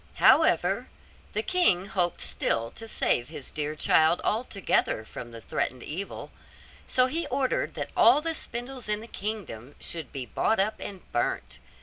However, the king hoped still to save his dear child altogether from the threatened evil; so he ordered that all the spindles in the kingdom should be bought up and burnt.